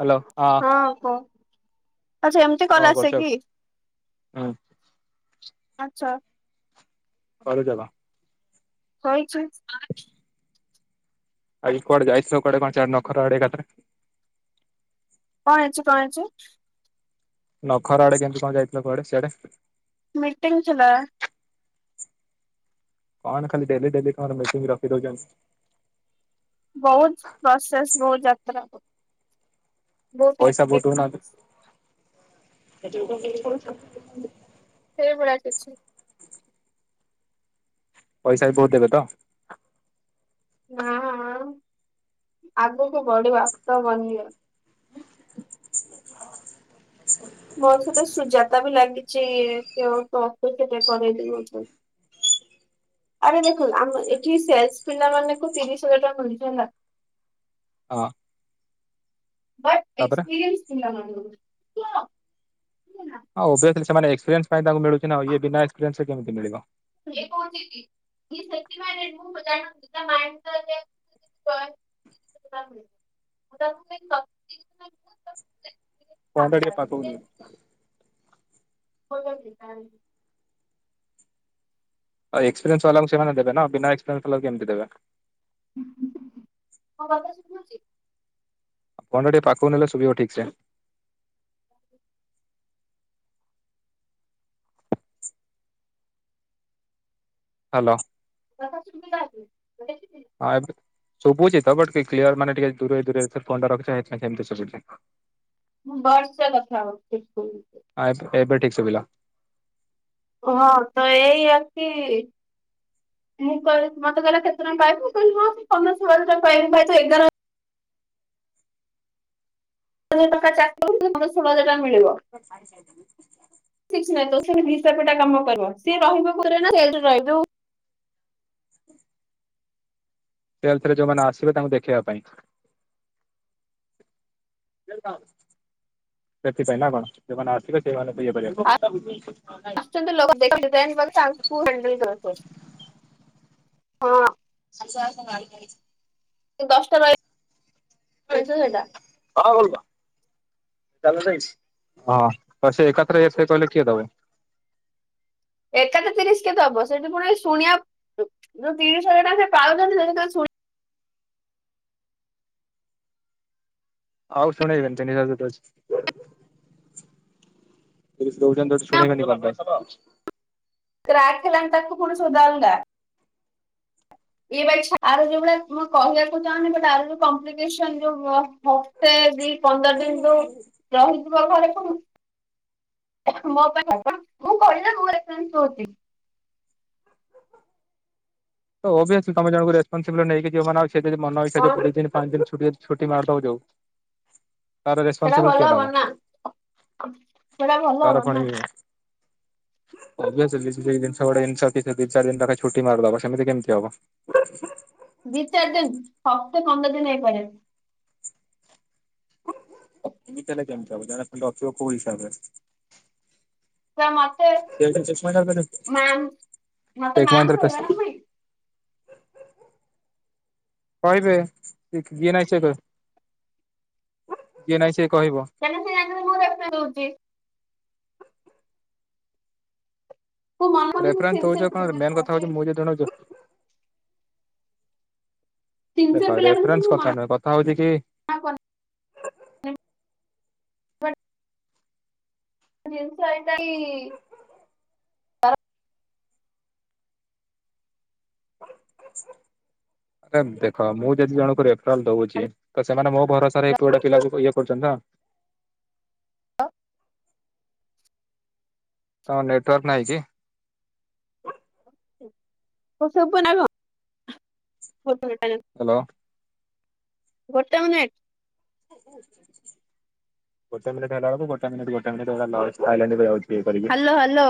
Hello ହଁ। ଆଚ୍ଛା ଏମିତି କଣ କଲ ଆସେ କରୁଛ କିି? ହୁଁ ଆଛା। କରିଚାଲ। କହିଚି। ଆଜି କୁଆଡ଼େ ଯାଇ ଥିଲ କୁଆଡେ଼ କଣ ଚାର୍ ନଖରା ଆଡେ ଏକାଥରେ? କଣ ଅଛି କଣ ଅଛି? ନଖରା ଆଡେ କେମିତି କଣ ଯାଇଥିଲ କୁଆଡେ ସିଆଡ଼େ। ମିଟିଂ ଥିଲା। କଣ ଖାଲି ଡେଲି ଡେଲି କଣର ମିଟିଂ ରଖିଦଉଛନ୍ତି? ବହୁତ ପ୍ରସେସ ବହୁତ ଯାତ୍ରା କରୁ ପଇସା ବହୁତ ଦଉନାହାନ୍ତି। ସେଇଭଳିଆ କିଛି ପଇସା ବି ବହୁତ ଦେବେ ତ। ନାଆ ଆଗକୁ ବଢ଼ିବ ଆଫ୍ଟର୍ ୱାନ ଇୟର। ମୋ ସହିତ ସୁଜତା ବି ଲାଗିଛି କେଉ କମ୍ପିଟେ କରେଇ ଦିଉ ଆରେ ଦେଖ ଆମ ଏଠି ସେଲସ ପିଲା ମାନଙ୍କୁ ତିରିଶ ହାଜର ମିଳୁଛି ହେଲା। ହ। ବଟ ଏକ୍ସପିରିନ୍ସ ପିଲା ମାନଙ୍କୁ ନେଇ ଥିଲା ମ ହଁ ଓଭିଅସଲି ସେମାନେ ଏକ୍ପିରିଏନ୍ସ ତାଙ୍କୁ ମିଳୁଛି ନା ଏ ବିନା ଏସପିରିନ୍ସରେ କେମିତି ମିଳିବ? କିଏ କହୁଚି କି [unintelligible] [unintelligible] ଫୋନଟା ଟିକେ ପାଖକୁ ନିଅ। [unintelligible] ଏକ୍ସପିରିଏନ୍ସ ବାଲାଙ୍କୁ ସେମାନେ ଦେବେ ନା ବିନା ଏକ୍ସପିରିଏନ୍ସ ବାଲାକୁ କେମିତି ଦେବେ? ହ ବାପା ଶୁଭୁଛି। ଫୋନ ଟା ପାଖକୁ ନେଲେ ଶୁଭିବା ଠିକସେ। ହ୍ୟାଲୋ। [unintelligible] ଯୋଉଟା କି? ହଁ ଏବେ ଶୁଭୁଛି ତ ବଟ କେ କ୍ଲିୟ ମାନ ଟିକେ ଦୂର ଦୂର କୁ ଫୋନଟା ରଖିଛୁ ସେଥିପାଇଁ ସେମିତି ଶୁଭୁଛି। ମୁଁ ଭଲ ସେ କଥା ହଉଛି ସ୍କୁଲ୍ ରେ। ହଁ ଏବେ ଠିକ ଶୁଭିଲା। ହଁ ତ ଏଇ ଆସି ମୁଁ କହ ମତେ କହିଲେ କେତେ ଟଙ୍କା ପାଇବୁ, ମୁଁ କହିଲି ହଁ ପନ୍ଦର ଷୋଳ ହଜାର ଟଙ୍କା ପାଇବି। ନାଇଁ ତୁ ଏଗାର [unintelligible] ସେମାନେ। ମିଳିବ କିଛି ନାହିଁ [unintelligible] କାମ କରିବ ସିଏ ରହିବ ପରେ ନା ସେଠି ରହିବ ଯୋଉ [inaudible] ସେଲଥ ରେ ଯୋଉମାନେ ଆସିବେ ତାଙ୍କୁ ଦେଖେଇବା ପାଇଁ [inaudible] [inaudible] ସେଥିପାଇଁ ନା କଣ ସେମାନେ ଆସିବେ ସେଇ କରିବାକୁ ଆସିଛନ୍ତି ଲୋକ ଦେଖିବା ତାକୁ ହାଣ୍ଡଲ କରି [inaudible] ହଁ। ଆ ଭଲ ସେ ଦଶଟା ବାଳି [inaudible] କଣ କହୁଚ? ହଁ ତାର ସେ ଏକାତ୍ର [unintelligible] କହିଲେ କିଏ ଦେବ? ଏକାଥରେ ତିରିଶ ସେ ଦବ ସେଠି ପୁଣି ଶୁଣିବା ଯୋଉ ତିରିଶ ହଜାର ଟଙ୍କା ସେ ପାଉଛନ୍ତି ସେଇଟା ଶୁଣି ଆଉ ଶୁଣେଇବେନି [unintelligible] ଅଛି। ତିରିଶ ଦଉଛନ୍ତି, ଗୋଟେ ଶୁଣିବେନି କଣ ପାଇଁ? କ୍ରାକ୍ ହେଲାଣି ତାକୁ ପୁଣି ର ଇଛା ଆର ଯୋଉ ଭଳିଆ ମୁଁ କହିବାକୁ ଚାହୁଁନି ତାର ଯୋଉ କଂପ୍ଲିକେସନ୍ ଯୋଉ ହପ୍ତେ ଦି ପନ୍ଦର ଦିନରୁ ରହିଥିବ ଘରେ। ମୋ ପାଇଁ ମୁଁ କହିଲି ନା [unintelligible] ତ ଓଭିଅସଲି ତମ ଜଣଙ୍କୁ ରେସ୍ପନସିବ ନେଇକି ଯିବ ମାନେ ଆଉ ସେ ଯଦିି ମନ ଇଚ୍ଛା କଣ [unintelligible] ପାଞ୍ଚ ଦିନ [unintelligible] ତାର ସେଟା ରେସପନସିବିଲଟି ଭଲ କିଏ ନବ? ହବନି ନା ସେଟା ଭଲ ତାର ହବନି ନା ପୁଣି ଓଭିଅସଲି ସେ ସେଇ ଜିନିଷ ଗୁଡା [unintelligible] ଦି ଚାରି ଦିନ ତା ଛୁଟି ମାରି ଦବ। ସେମିତି କେମିତି ହବ? ଦି ଚାରି ଦିନ ଦଶ ପନ୍ଦର ଦିନ ହେଇପାରେ। ଏମିତି ହେଲେ କେମିତି ହବ ଜାଗା ଖଣ୍ଡେ ରଖିବ କୋଉ ହିସାବରେ। ମତେ ମାମ ମତେ ଟେକ୍ ମାମ ମହିନ୍ଦ୍ରା କହିବ ନା ନାଇ। କହିବେ କିଏ ଯିଏ ନାଇ ସିଏ କହିବେ ଯିଏ ନାଇ ସିଏ କହିବ ତମକୁ ଲାଗିବ ମୁଁ ଏସା କହୁଛି। ମୁଁ ମନେ ମନେ ସେ ରେଫରେନ୍ସ ତ ସିନସିୟର ହଉଛ କଣ ପିଲା ମେନ୍ କଥା କରୁଛି ହଉଛି ମୁଁ ବି ଜଣଉଛି। ସିନସିୟର ଦେଖ ପିଲା ବୋଲି ସେ ମୁଁ ରେଫରେନ୍ସ କଥା ମନା ନୁହେଁ କଥା ହଉଛି କି କରିନି ଜିନିଷ ଏଇଟା କି? ରେ ଦେଖ ମୁଁ ଯଦି ଜଣଙ୍କୁ ରେଫରାଲ ଦଉଛି ତ ସେମାନେ ମୋ ଭରସାରେ ଏ [unintelligible] କୁୁଡେ ପିଲା ଇଏ କରୁଛନ୍ତି। ତ। ଅ। ତମ ନେଟୱାର୍କ ନହିଁ କି? କୁ ସୁଭୁନି ନା କଣ ଗୋଟେ ମିନିଟ। ହାଲୋ। ଗୋଟେ ମିନିଟ୍। ଗୋଟେ ମିନିଟ ହେଲା ବେଳକୁ ଗୋଟେ ମିନିଟ୍ ଗୋଟେ ମିନିଟ୍ ହେଲା ଲସ ସାଇଲେଣ୍ଟ ରେ ଯାଉଚି। ହ୍ୟାଲୋ ହ୍ୟାଲୋ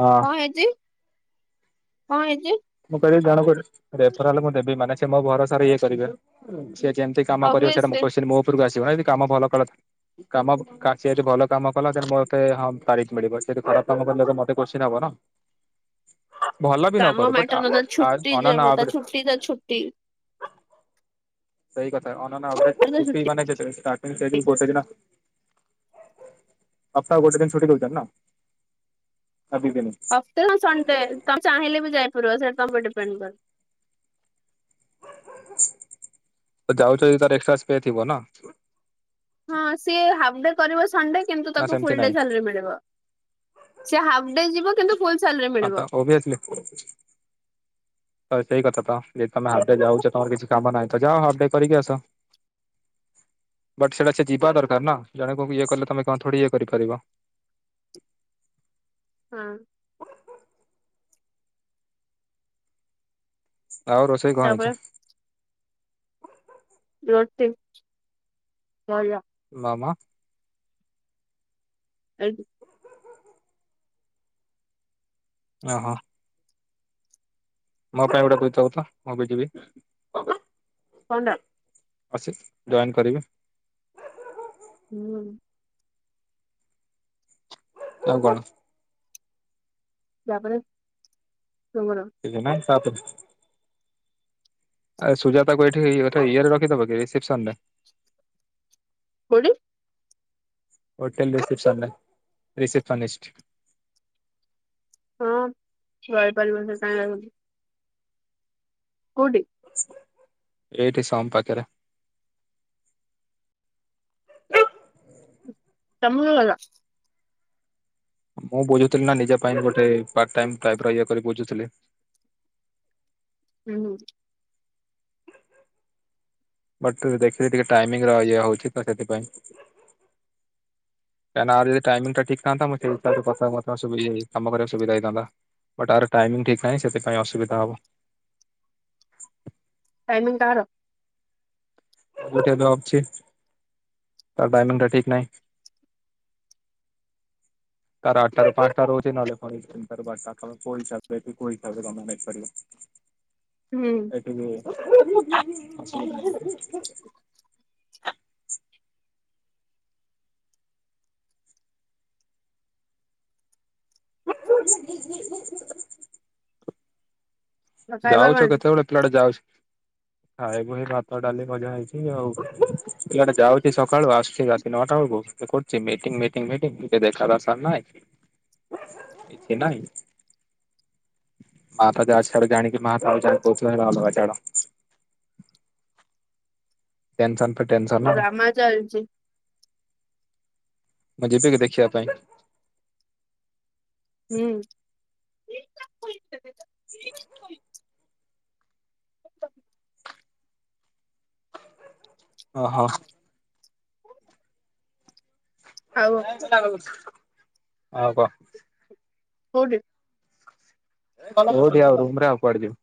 ହଁ କଣ ହେଇଛି କଣ ହେଇଛି। ଜଦି ଜଣଙ୍କ ଠୁରେଫଲାଲ ମୁଁ ଦେବି ମାନେ ସେ ମୋ ଭରସାରେ ଇଏ କରିବେ। ସେ ଯେମିତି କାମ କରିବ ସେଟା ମୁ ଅବିଅସଲି କୋସଚୀନ୍ ମୋ ଉପରକୁ ଆସିବ। ଜଣେ ଯଦି କାମ ଭଲ କଲା କାମ ଭ କା ସିଏ ଯଦି ଭଲ କାମ କଲା ଦେନ୍ ମୋତେ ହଁ ତାରିଫ ମିଳିବ ସେ ଜଦି ଖ ରାପ କାମ କଲେ ତ ମତେ କୋଷଚୀନ୍ ହବ ନା ଭଲ ବି ନ କରୁ ବଟ। ହେଦିନ ଛୁଟି ଯେବ ତା ଛୁଟି ତା ଛୁଟି। [inaudible] ସେଇ କଥା କାଲି ତା ଛୁଟି [unintelligible] ଷ୍ଟାର୍ଟିଂ ସେ ଯୋଉ ଗୋଟେ ଦିନ ସପ୍ତାହକୁ ଗୋଟେ ଦିନ ଛୁଟି ଦଉଛନ୍ତି ନା। ନା ଦି ଦିନି। ଅତେ ସନଣ୍ଡେ ତମେ ଚାହିଁଲେ ବି ଯାଇପାରିବ ସେଟା ତମ ଉପରେ ଡିପେଣ୍ଡ କରେ। [inaudible] ତ ଯାଉଛ ତାର ଏକ୍ସଟ୍ରା ପେ ଥିବ ନା। ହଁ ସିଏ ହାଫ ଡେ କରିବ ସଣ୍ଡେ କିନ୍ତୁ ନା ତାକୁ ସେମିତି ଫୁଲ ଡେ ନାଇଁ ସାଲାରି ମିଳିବ ସେ ହାଫ୍ ଡେ ଯିବ। କିନ୍ତୁ ଫୁଲ୍ ସାଲାରୀ ମିଳିବ ଆପଣ ଓଭିିୟସଲି। ହଁ ସେଇ କଥା ତ ଯଦି ତମେ ହାଫ୍ ଡେ ଯାଉଛ ତମର କିଛି କାମ ନାହିଁ ତ ଯାଅ ହାଫ୍ ଡେ କରିକି ଆସ। ବଟ୍ ସେଇଟା ସେ ଯିବା ଦରକାର ନା ଜଣେ କଉ ବି ଇଏ କଲେ ତମେ କଣ ଥୋଡି ଇଏ କରିପାରିବ। [inaudible] ହୁଁ ଆଉ ରୋଷେଇ କଣ ତାପରେ ହେଇଛି? ୟା ୟା ମାମା [unintelligible] ଅ ହ ମୋ ପାଇଁ ଗୋଟେ ବୁଝିଥିବୁ ତ ମୁଁ ବି ଯିବି। କଣ ଟା? ଅସିତ୍ ଜଏନ୍ କରିବି। ହୁଁ ଆଉ କଣ? ତାପରେ ତୁମର କିଛି ନାହିଁ ତାପରେ ଆରେ ସୁଜାତାକୁ ଏଠି ଏଠି ଇଏରେ ରଖିଦବ କି ରିସିପସନରେ? କୋଉଠି? ହୋଟେଲ ରିସିପସନ୍ ରେ ରିସିପସନିସ୍ଟ। ହଁ ରହିପାରିବନି କାଇଁ ରହିବନି। କୋଉଠି? ଏଇଠି ସମ୍ ପାଖରେ। ଟାଇମିଙ୍ଗ ଅଲଗା ମୁଁ ବୁଝୁଥିଲି ନା ନିଜ ପାଇଁ ଗୋଟେ ପାର୍ଟ ଟାଇମ୍ ଟାଇପ୍ ର ଇଏ କରି ବୁଝୁଥିଲି [inaudible] ହୁଁ ହୁଁ ବଟ ଦେଖିଲି ଟିକେ ଟାଇମିଙ୍ଗ ର ଇଏ ହଉଛି ତ ସେଥିପାଇଁ। କାଇଁ ନା ଆର ଯଦି ଟାଇମିଙ୍ଗଟା ଠିକ ଥାନ୍ତା ମୁଁ ସେଇ ହିସାବରେ [unintelligible] କାମ କରିବାକୁ ସୁବିଧା ହେଇଥାନ୍ତା। ବଟ ଆର ଟାଇମିଙ୍ଗ ଠିକ ନାହିଁ ସେଥିପାଇଁ ଅସୁବିଧା ହବ। ଟାଇମିଙ୍ଗ କାହାର? ଗୋଟିଏ ତ ଅଛି ତାର ଟାଇମିଙ୍ଗଟା ଠିକ ନାହିଁ। [inaudible] ତାର ଆଠଟାରୁ ପାଞ୍ଚଟା ରହୁଛି ନହଲେ ପୁଣି ତିନିଟାରୁ ବାରଟା ତମେ କୋଉ ହିସାବରେ ବି କୋଉ ହିସାବରେ ହୁଁ [unintelligible] କରିବ। ଏଠକି ଅଛିକି ନାହିଁ। [inaudible] ଆଉ ଖାଇବା ଯାଉଛ କଣ କେତେବେଳେ ପିଲା ଟା ଯାଉଛି ହଁ ଏବେ ଏଇ ଭାତ, ଡାଲି, ଭଜା ହେଇଛି ଆଉ ପିଲାଟା ଯାଉଛି ସକାଳୁ ଆସୁଛି ରାତି ନଅଟା ବେଳକୁ [unintelligible] କରୁଛି ମିଟିଙ୍ଗ ମିଟିଙ୍ଗ ମିଟିଙ୍ଗ ଟିକେ ଦେଖା ଦର୍ଶନ ନାହିଁ କିଛି ନାହିଁ। ପାଠ ଯା ଛାଡିକି ଆଣିକି ମା ପାଖୁ ଛାଡିକି କହୁଥିଲା ବାବା ପାଖେ ଛାଡ। ଟେନସନ୍ ଡ୍ରାମା ଚାଲଚି। ମୁଁ ଯିବି କି ଦେଖିବା ପାଇଁ? ହୁଁ। ଓ ହୋ। [inaudible] ଆଉ ଆଉ କହ। କୋଉଟି? କଉଟି ଆଉ ରୁମ ରେ ଆଉ କୁଆଡେ ଯିବୁ।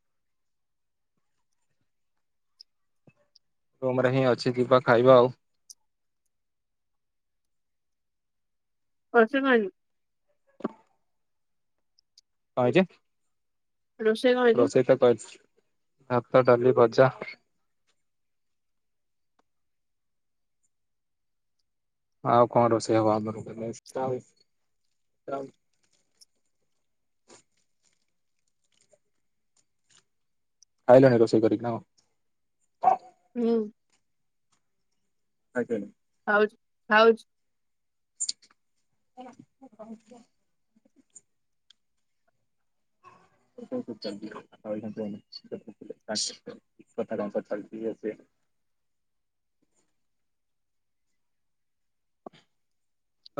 ରୁମ ରେ ହିଁ ଅଛି ଯିବା ଖାଇବା ଆଉ। ପଛେ କହିମି। କ ହେଇଚି। ରୋଷେଇ କଣ ହେଇଛି ରୋଷେଇ ତ କରିଛି ଭତ, ଡାଲି, ଭଜା। ଆଉ କଣ ରୋଷେଇ ହବ। [inaudible] ଖାଇଲଣି ରୋଷେଇ କରି କି ନ କନ୍। ହୁଁ ଖାଇକୀ ଆଇଲ। ଖାଉଛି ଖାଉଛି। [inaudible] [inaudible] କଥାଟା ଅନୁସାରେ [inaudible]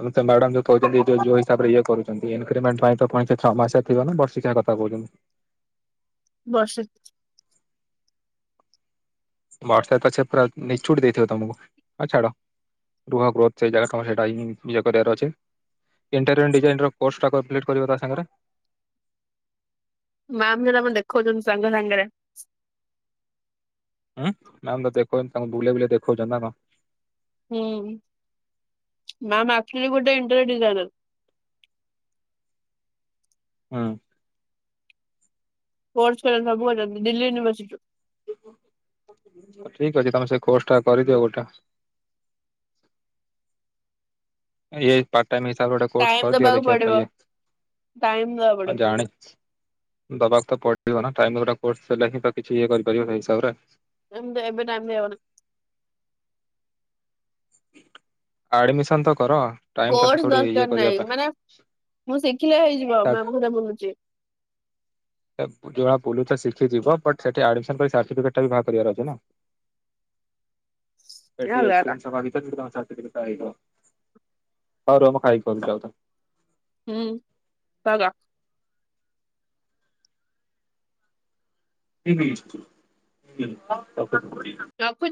ଆଉ ସେ ମ୍ୟାଡାମ ଯୋଉ କହୁଛନ୍ତି, ଯୋଉ ଯୋଉ ହିସାବରେ ଇଏ କରୁଛନ୍ତି, ଇକ୍ରିମେଣ୍ଟ ପାଇଁ ତ ପୁଣି ଛଅ ମାସିଆ ଥିବ ନା ବର୍ଷି କିୟା। କଥା କହୁଛନ୍ତି। ବର୍ଷି ବର୍ଷେ ତ ସେ ପୁରା ନିଛୁଟି ଦେଇଥିବେ ତମକୁ ହେ ଛାଡ। ରୁହ ଗ୍ରୋଥ ସେଇ ଜାଗା ତମ ସେଇ ଟା ହିଁ ଇଏ କରି ବାର ଅଛି। ଇଣ୍ଟେରିୟନ ଡିଜାଇନ ର କୋର୍ସ ଟା କଂପ୍ଲୀଟ କରିବ ତା ସାଙ୍ଗରେ। ମାମ୍ ଯଉଟା ମତେ ଦେଖଉଛନ୍ତି ସାଙ୍ଗ ସାଙ୍ଗରେ। ଉଁ ମାମ୍ ତ ଦେଖଉଛନ୍ତି ତାଙ୍କୁ ବୁଲେଇ ବୁଲେଈ ଦେଖଉଛନ୍ତି ନା କଣ? ହୁଁ ମ୍ୟାାମ ଆକ୍ଚୁଲି ଗୋଟେ ଇଣ୍ଟରିଅର୍ ଡିଜାଇନର। ହୁଁ। କୋର୍ସ କରିବେ ସବୁ କରିବେ ଦିଲ୍ଲୀ ୟୁନିଭର୍ସ ସିଟିରୁ। ଠିକ ଅଛି ତମେ ସେ ଖୋର୍ସ ଟା କରିଦିଅ ଗୋଟା। ଏଇ ପାର୍ଟ ଟାଇମ ହିସାବରେ ଗୋଟେ କୋର୍ସ ଟାଇମ କରଦିଅ ଦବାକୁ ଦେଖିବା ପା ପଡିବ। ଇଏ। ଟାଇମ ଦବାକୁ ପଡିବ ଆଉ ଜାଣି ଦବାକୁ ତ ପଡି ବ ନା ଟାଇମ ରେ ଗୋଟା କୋର୍ସ ସରିଲେ ହିଁ ତ କିଛି ଇଏ କରିପାରିବ ସେଇ ହିସାବରେ। ଏମତି ଏବେ ଟାଇମ ଦେଇ ହବନି। ଆଡମିସନ ତ କର। ଟାଇମ ତ କୋର୍ସ ଥୋଡି ଇଏ ଦରକାର କରିବା ନାହିଁ ମାନେ ମୁ ଶିକ୍ଷ ଲେ ହେଇଯିବ ପାଇଁ ମୁଁ [unintelligible] ବୁଲୁଛି। ଯାହା ବୁଲୁଛ ଶିଖିଯିବ ବଟ୍ ସେଠି ଆଡ଼ମିଶନ ପାଇଁ ସାର୍ଟିଫିକେଟ ବି ବାହାର କରିବାର ଅଛି ନା। ହେଲା ଏଠି ଏକ୍ସପେରିଏନ୍ସ ହେବା ବି ତ [unintelligible] ରହ ମୁଁ ଖାଇ କରୁଛି ଆଉ ଥରେ। ହୁଁ ରଖୁଛି। [inaudible]